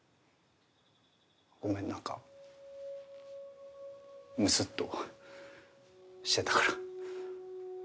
ごめんなんかムスっとしてたから。